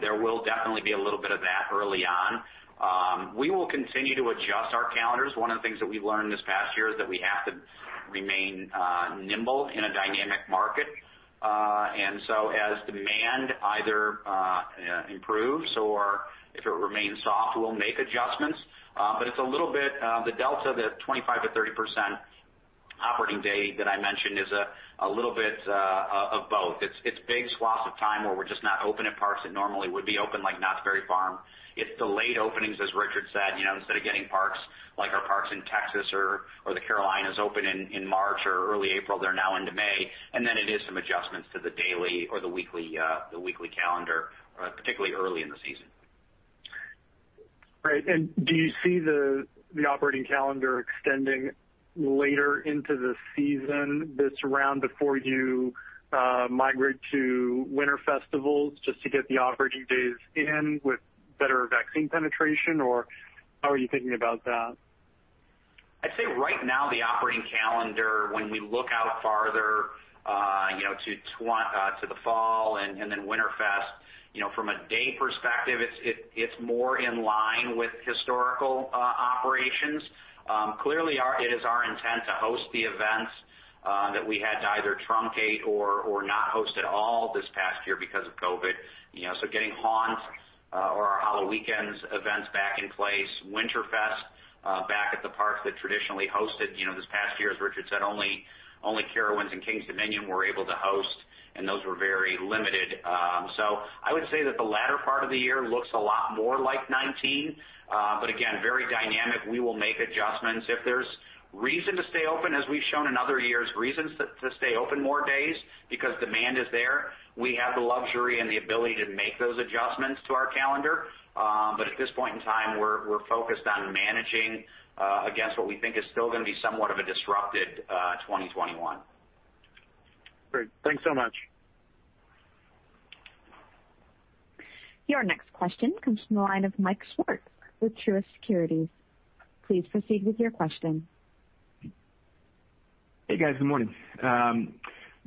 D: There will definitely be a little bit of that early on. We will continue to adjust our calendars. One of the things that we've learned this past year is that we have to remain nimble in a dynamic market. And so as demand either improves or if it remains soft, we'll make adjustments. But it's a little bit the delta, the 25%-30% operating day that I mentioned is a little bit of both. It's big swaths of time where we're just not open at parks that normally would be open, like Knott's Berry Farm. It's delayed openings, as Richard said, you know, instead of getting parks like our parks in Texas or the Carolinas open in March or early April, they're now into May. And then it is some adjustments to the daily or the weekly calendar, particularly early in the season.
H: Right. And do you see the operating calendar extending later into the season this round before you migrate to winter festivals, just to get the operating days in with better vaccine penetration? Or how are you thinking about that?
D: I'd say right now, the operating calendar, when we look out farther, you know, to the fall and then WinterFest, you know, from a day perspective, it's more in line with historical operations. Clearly, it is our intent to host the events that we had to either truncate or not host at all this past year because of COVID. You know, so getting Haunt or our HalloWeekends events back in place, WinterFest back at the parks that traditionally hosted. You know, this past year, as Richard said, only Carowinds and Kings Dominion were able to host, and those were very limited. So I would say that the latter part of the year looks a lot more like 2019. But again, very dynamic. We will make adjustments. If there's reason to stay open, as we've shown in other years, reasons to stay open more days because demand is there, we have the luxury and the ability to make those adjustments to our calendar, but at this point in time, we're focused on managing against what we think is still gonna be somewhat of a disrupted 2021.
H: Great. Thanks so much.
A: Your next question comes from the line of Mike Swartz with Truist Securities. Please proceed with your question.
I: Hey, guys, good morning.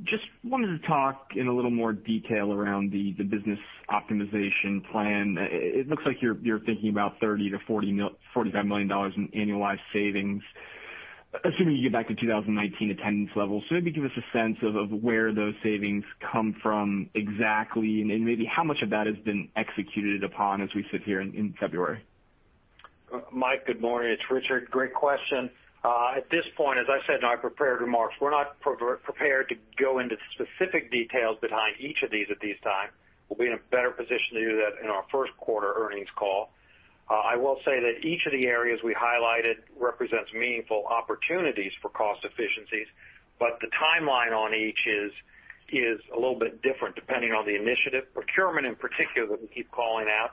I: Just wanted to talk in a little more detail around the business optimization plan. It looks like you're thinking about $30 million-$45 million in annualized savings, assuming you get back to two thousand and nineteen attendance levels. So maybe give us a sense of where those savings come from exactly, and maybe how much of that has been executed upon as we sit here in February.
C: Mike, good morning. It's Richard. Great question. At this point, as I said in our prepared remarks, we're not prepared to go into specific details behind each of these at this time. We'll be in a better position to do that in our first quarter earnings call. I will say that each of the areas we highlighted represents meaningful opportunities for cost efficiencies, but the timeline on each is a little bit different, depending on the initiative. Procurement, in particular, that we keep calling out,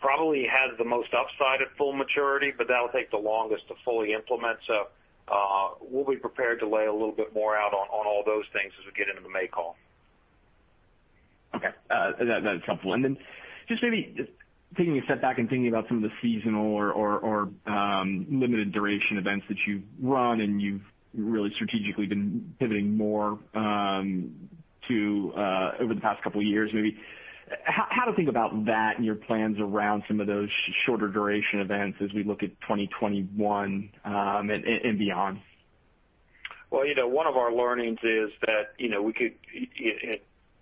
C: probably has the most upside at full maturity, but that'll take the longest to fully implement. We'll be prepared to lay a little bit more out on all those things as we get into the May call.
I: Okay, that, that's helpful. And then just maybe taking a step back and thinking about some of the seasonal or limited duration events that you've run and you've really strategically been pivoting more to over the past couple of years maybe. How to think about that and your plans around some of those shorter duration events as we look at twenty twenty-one and beyond?
C: You know, one of our learnings is that, you know, we could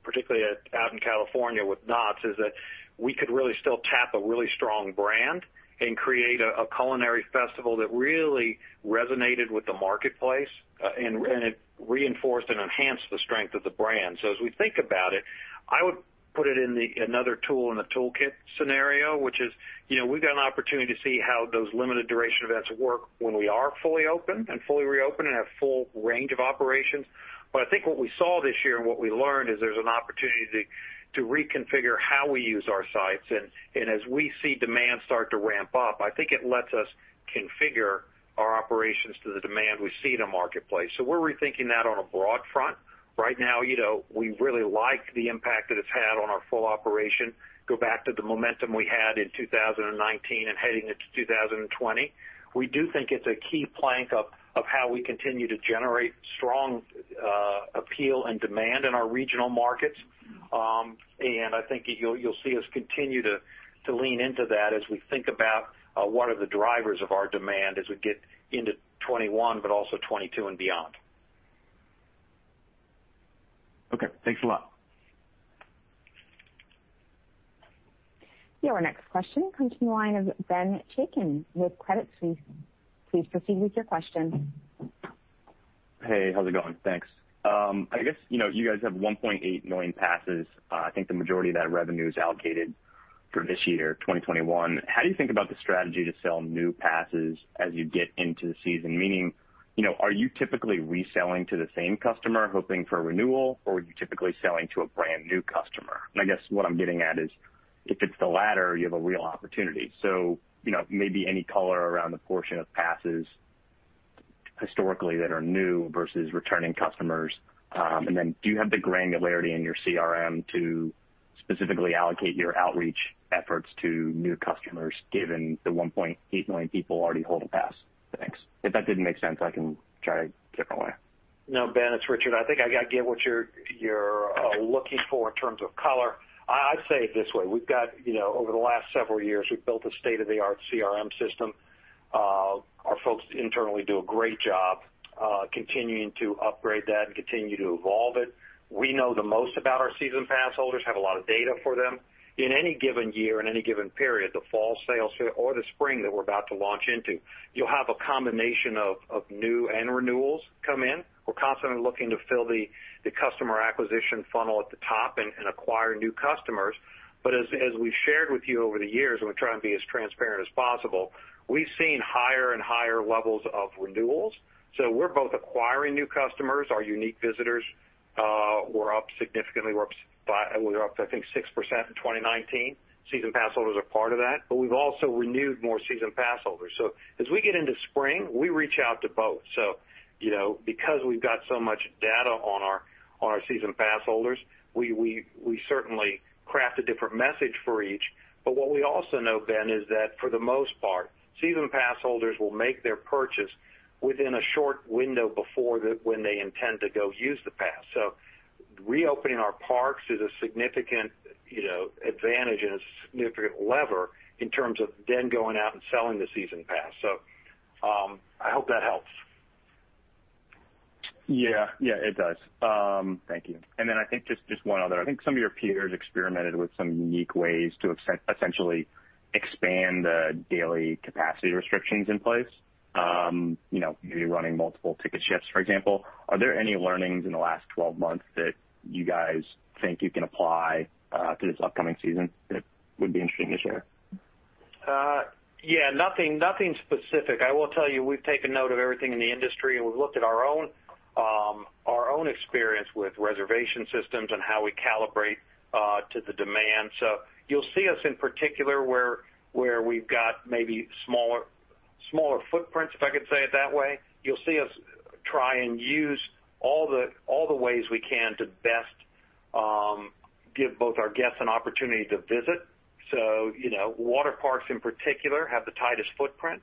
C: particularly out in California with Knott's, is that we could really still tap a really strong brand and create a culinary festival that really resonated with the marketplace, and it reinforced and enhanced the strength of the brand. As we think about it, I would put it in another tool in the toolkit scenario, which is, you know, we've got an opportunity to see how those limited duration events work when we are fully open and fully reopened and have full range of operations. I think what we saw this year and what we learned is there's an opportunity to reconfigure how we use our sites. As we see demand start to ramp up, I think it lets us configure our operations to the demand we see in the marketplace. So we're rethinking that on a broad front. Right now, you know, we really like the impact that it's had on our full operation, go back to the momentum we had in two thousand and nineteen and heading into two thousand and twenty. We do think it's a key plank of how we continue to generate strong appeal and demand in our regional markets. And I think you'll see us continue to lean into that as we think about what are the drivers of our demand as we get into 2021, but also 2022 and beyond.
I: Okay, thanks a lot.
A: Your next question comes from the line of Ben Chaiken with Credit Suisse. Please proceed with your question.
J: Hey, how's it going? Thanks. I guess, you know, you guys have 1.8 million passes. I think the majority of that revenue is allocated for this year, 2021. How do you think about the strategy to sell new passes as you get into the season? Meaning, you know, are you typically reselling to the same customer, hoping for a renewal, or are you typically selling to a brand-new customer? And I guess what I'm getting at is, if it's the latter, you have a real opportunity. So, you know, maybe any color around the portion of passes historically that are new versus returning customers? And then do you have the granularity in your CRM to specifically allocate your outreach efforts to new customers, given the 1.8 million people already hold a pass? Thanks. If that didn't make sense, I can try a different way.
C: No, Ben, it's Richard. I think I get what you're looking for in terms of color. I'd say it this way: We've got, you know, over the last several years, we've built a state-of-the-art CRM system. Our folks internally do a great job continuing to upgrade that and continue to evolve it. We know the most about our season pass holders, have a lot of data for them. In any given year, in any given period, the fall sales or the spring that we're about to launch into, you'll have a combination of new and renewals come in. We're constantly looking to fill the customer acquisition funnel at the top and acquire new customers. But as we've shared with you over the years, and we're trying to be as transparent as possible, we've seen higher and higher levels of renewals. We're both acquiring new customers. Our unique visitors were up significantly. We're up, I think, 6% in 2019. Season pass holders are part of that, but we've also renewed more season pass holders. As we get into spring, we reach out to both. You know, because we've got so much data on our season pass holders, we certainly craft a different message for each. But what we also know, Ben, is that for the most part, season pass holders will make their purchase within a short window when they intend to go use the pass. Reopening our parks is a significant advantage and a significant lever in terms of then going out and selling the season pass. I hope that helps.
J: Yeah. Yeah, it does. Thank you. Then I think just one other. I think some of your peers experimented with some unique ways to essentially expand the daily capacity restrictions in place. You know, maybe running multiple ticket shifts, for example. Are there any learnings in the last twelve months that you guys think you can apply to this upcoming season that would be interesting to share?
C: Yeah, nothing, nothing specific. I will tell you, we've taken note of everything in the industry, and we've looked at our own experience with reservation systems and how we calibrate to the demand. So you'll see us in particular, where we've got maybe smaller, smaller footprints, if I could say it that way. You'll see us try and use all the ways we can to best give both our guests an opportunity to visit. So, you know, water parks in particular, have the tightest footprint.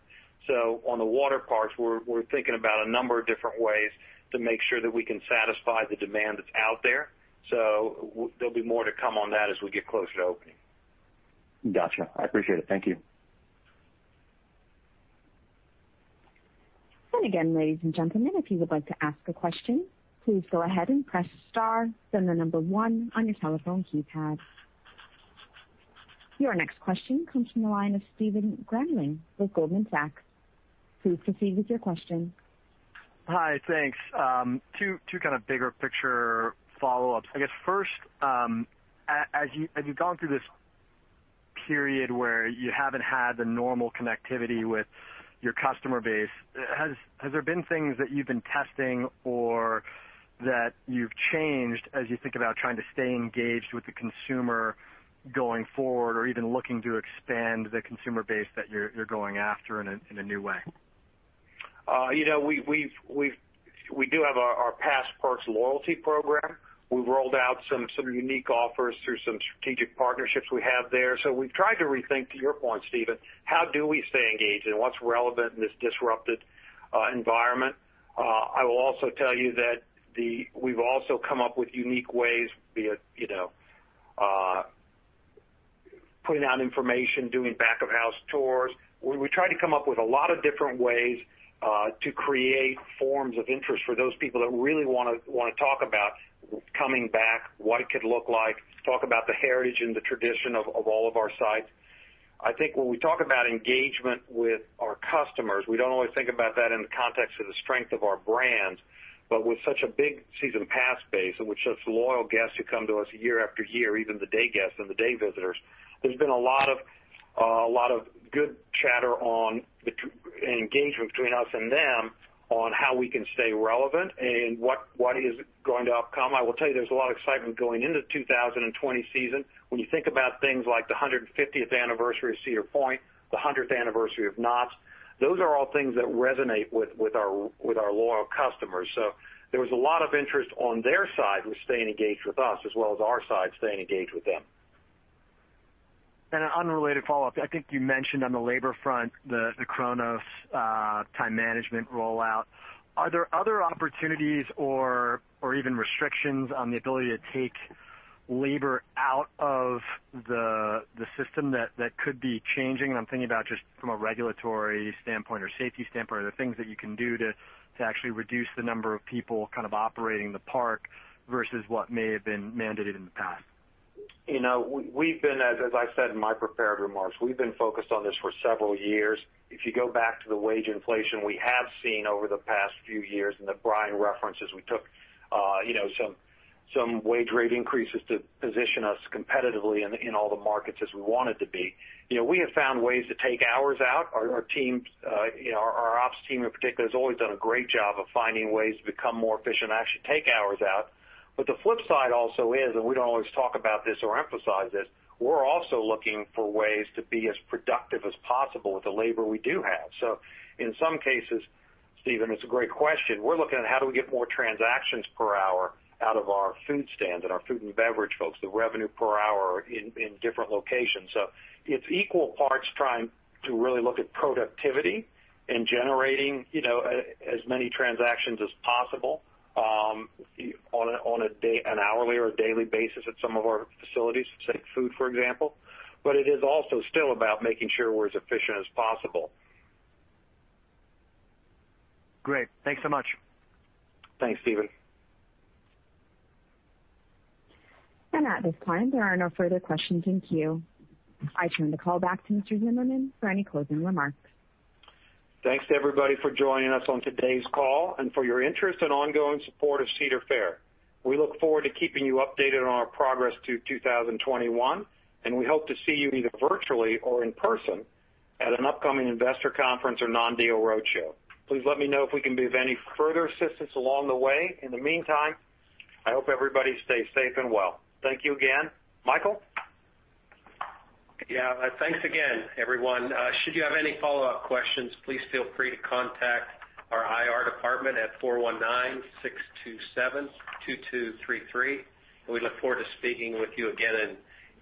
C: So on the water parks, we're thinking about a number of different ways to make sure that we can satisfy the demand that's out there. There'll be more to come on that as we get closer to opening.
J: Gotcha. I appreciate it. Thank you.
A: Again, ladies and gentlemen, if you would like to ask a question, please go ahead and press star, then the number one on your telephone keypad. Your next question comes from the line of Stephen Grambling with Goldman Sachs. Please proceed with your question.
K: Hi, thanks. Two kind of bigger picture follow-ups. I guess first, as you've gone through this period where you haven't had the normal connectivity with your customer base, has there been things that you've been testing or that you've changed as you think about trying to stay engaged with the consumer going forward, or even looking to expand the consumer base that you're going after in a new way?
C: You know, we've. We do have our Pass Perks loyalty program. We've rolled out some unique offers through some strategic partnerships we have there. So we've tried to rethink, to your point, Stephen, how do we stay engaged and what's relevant in this disrupted environment? I will also tell you that we've also come up with unique ways, be it, you know, putting out information, doing back-of-house tours. We try to come up with a lot of different ways to create forms of interest for those people that really wanna talk about coming back, what it could look like, talk about the heritage and the tradition of all of our sites. I think when we talk about engagement with our customers, we don't always think about that in the context of the strength of our brands, but with such a big season pass base, in which those loyal guests who come to us year after year, even the day guests and the day visitors, there's been a lot of, a lot of good chatter on the true engagement between us and them on how we can stay relevant and what, what is going to outcome. I will tell you there's a lot of excitement going into the 2020 season when you think about things like the 150th anniversary of Cedar Point, the 100th anniversary of Knott's. Those are all things that resonate with, with our, with our loyal customers. So there was a lot of interest on their side with staying engaged with us, as well as our side, staying engaged with them.
K: And an unrelated follow-up: I think you mentioned on the labor front, the Kronos time management rollout. Are there other opportunities or even restrictions on the ability to take labor out of the system that could be changing? I'm thinking about just from a regulatory standpoint or safety standpoint, are there things that you can do to actually reduce the number of people kind of operating the park versus what may have been mandated in the past?
C: You know, we've been, as I said in my prepared remarks, we've been focused on this for several years. If you go back to the wage inflation we have seen over the past few years, and that Brian references, we took, you know, some wage rate increases to position us competitively in all the markets as we wanted to be. You know, we have found ways to take hours out. Our teams, you know, our ops team in particular, has always done a great job of finding ways to become more efficient and actually take hours out. But the flip side also is, and we don't always talk about this or emphasize this, we're also looking for ways to be as productive as possible with the labor we do have. So in some cases, Stephen, it's a great question. We're looking at how do we get more transactions per hour out of our food stands and our food and beverage folks, the revenue per hour in different locations. So it's equal parts, trying to really look at productivity and generating, you know, as many transactions as possible, on a day, an hourly or a daily basis at some of our facilities, say, food, for example. But it is also still about making sure we're as efficient as possible.
K: Great. Thanks so much.
C: Thanks, Stephen.
A: And at this time, there are no further questions in queue. I turn the call back to Mr. Zimmerman for any closing remarks.
C: Thanks to everybody for joining us on today's call and for your interest and ongoing support of Cedar Fair. We look forward to keeping you updated on our progress to 2021, and we hope to see you either virtually or in person at an upcoming investor conference or non-deal roadshow. Please let me know if we can be of any further assistance along the way. In the meantime, I hope everybody stays safe and well. Thank you again. Michael?
B: Yeah, thanks again, everyone. Should you have any follow-up questions, please feel free to contact our IR department at 419-627-2233, and we look forward to speaking with you again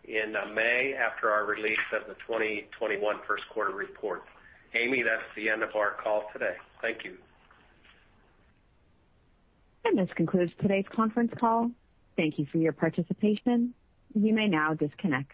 B: in May after our release of the 2021 first quarter report. Amy, that's the end of our call today. Thank you.
A: This concludes today's conference call. Thank you for your participation. You may now disconnect.